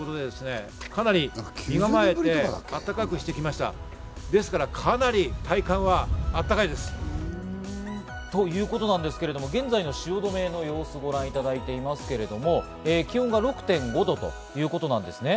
なんか、９０年ぶりとかだっけ？ということなんですけれども、現在の汐留の様子をご覧いただいていますけれども、気温が６．５度ということなんですね。